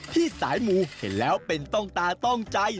ที่สายมูเห็นแล้วเป็นต้องตาต้องใจ